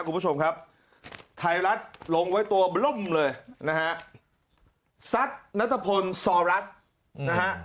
คุณผู้ชมครับไทยรัฐลงไว้ตัวบล่มเลยนะฮะซัดนัทพลซอรัสนะฮะ